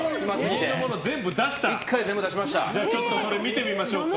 ちょっとそれ見てみましょうか。